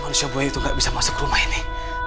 manusia buaya itu nggak bisa masuk rumah ini